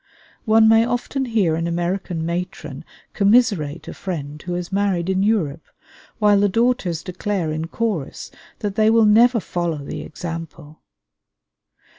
One may often hear an American matron commiserate a friend who has married in Europe, while the daughters declare in chorus that they will never follow the example.